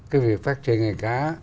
cái việc phát triển nghề cá